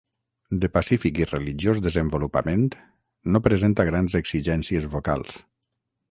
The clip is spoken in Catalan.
De pacífic i religiós desenvolupament, no presenta grans exigències vocals.